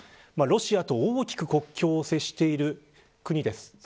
ロシアと大きく国境を接している国です。